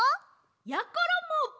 やころも！